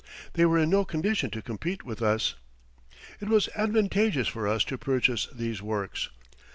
They were in no condition to compete with us. It was advantageous for us to purchase these works.